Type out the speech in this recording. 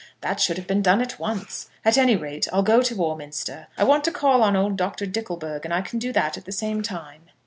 That should have been done at once. At any rate, I'll go to Warminster. I want to call on old Dr. Dickleburg, and I can do that at the same time."